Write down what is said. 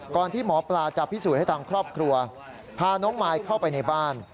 ที่หมอปลาจะพิสูจน์ให้ทางครอบครัวพาน้องมายเข้าไปในบ้าน